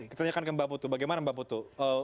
kita tanyakan ke mbak putu bagaimana mbak putu